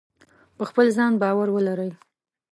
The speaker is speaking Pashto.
په خپل ځان باور ولرئ.